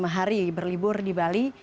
lima hari berlibur di bali